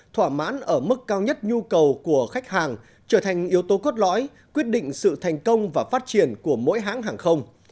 thỏa mãn ở mức cao nhất nhu cầu của khách hàng trở thành yếu tố cốt lõi quyết định sự thành công và phát triển của mỗi hãng hàng không